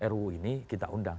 ruu ini kita undang